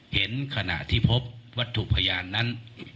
เห็นขณะที่พบวัตถุพยานนั้น